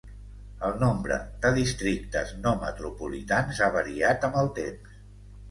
El nombre de districtes no metropolitans ha variat amb el temps.